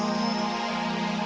bukan sama sekali bhurah